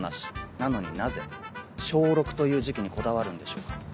なのになぜ小６という時期にこだわるんでしょうか？